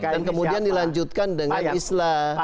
dan kemudian dilanjutkan dengan islah